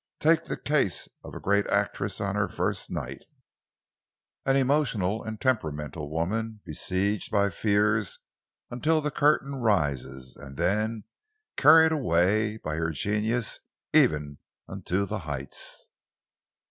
Take the case of a great actress on her first night, an emotional and temperamental woman, besieged by fears until the curtain rises, and then carried away by her genius even unto the heights.